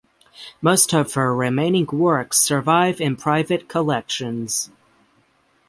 Most of her remaining works survive in private collections.